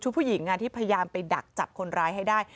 ผู้หญิงที่พยายามไปดักจับคนร้ายให้ได้